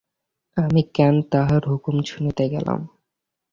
আমি কেন তাহার হুকুম শুনিতে গেলাম।